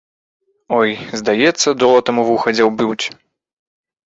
Ой, здаецца, долатам у вуха дзяўбуць.